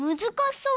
そう！